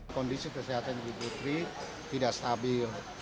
kondisi kesehatan ibu putri tidak stabil